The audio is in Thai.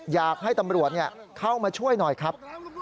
อยากให้ตำรวจเข้ามาช่วยหน่อยครับ